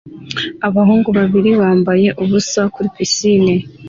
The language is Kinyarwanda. Abahungu babiri bambaye ubusa kuri pisine